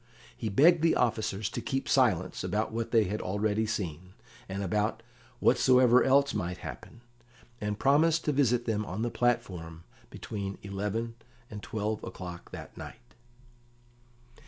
He begged the officers to keep silence about what they had already seen, and about whatsoever else might happen, and promised to visit them on the platform between eleven and twelve o'clock that night.